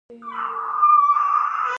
افغانستان کې د غوښې په اړه زده کړه کېږي.